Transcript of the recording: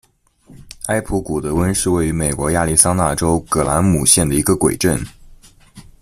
坎普古德温是位于美国亚利桑那州葛兰姆县的一个鬼镇。